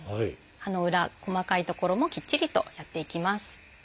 歯の裏細かい所もきっちりとやっていきます。